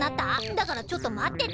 だからちょっとまってて？